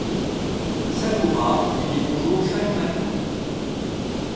Sakura lui dit bonjour chaque matin.